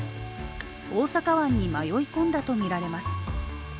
大阪湾に迷い込んだとみられます。